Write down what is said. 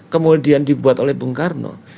kemudian dibuat oleh bung karno